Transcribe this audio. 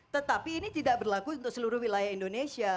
tetapi ini tidak berlaku untuk seluruh wilayah indonesia